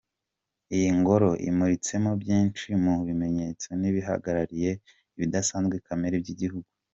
Iyi ngoro imuritsemo byinshi mu bimenyetso n’ ibihagarariye ibidasanzwe kamere by’igihugu.